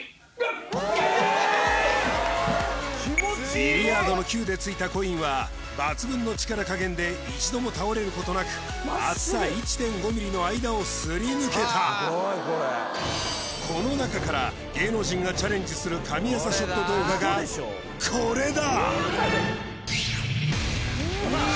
ビリヤードのキューで突いたコインは抜群の力加減で一度も倒れることなく厚さ１．５ｍｍの間をすり抜けたこの中から芸能人がチャレンジする神業ショット動画がこれだ！